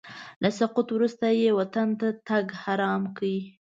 له سقوط وروسته یې وطن ته تګ حرام کړی.